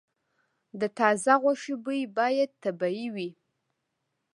د تازه غوښې بوی باید طبیعي وي.